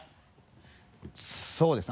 そうですね。